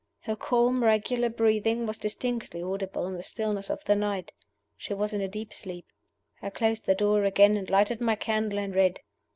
"Her calm, regular breathing was distinctly audible in the stillness of the night. She was in a deep sleep: I closed the door again and lighted my candle and read.